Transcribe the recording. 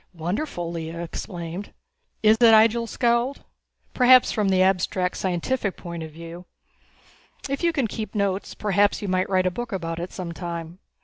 "Wonderful!" Lea exclaimed. "Is it?" Ihjel scowled. "Perhaps from the abstract scientific point of view. If you can keep notes perhaps you might write a book about it some time.